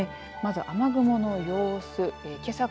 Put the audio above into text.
まず雨雲の様子。